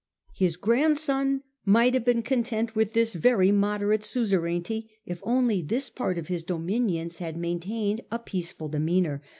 His grandson might have been content with this very moderate suzerainty if only this part of his dominions had maintained a peaceful demeanour.